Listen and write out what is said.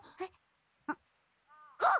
あっ！